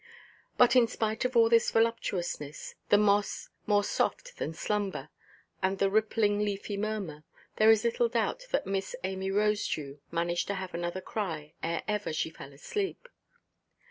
But, in spite of all this voluptuousness, the "moss more soft than slumber," and the rippling leafy murmur, there is little doubt that Miss Amy Rosedew managed to have another cry ere ever she fell asleep.